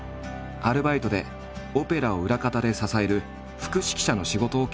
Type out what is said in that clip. アルバイトでオペラを裏方で支える副指揮者の仕事を経験。